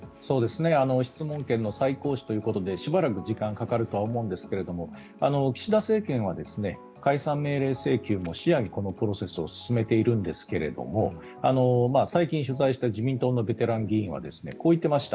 質問権の再行使ということでしばらく時間かかると思いますが岸田政権は解散命令請求も視野にこのプロセスを進めているんですが最近取材した自民党のベテラン議員はこう言っていました。